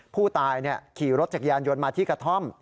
ผู้ตายขี่รถจักรยานยนต์มาที่กระท่อม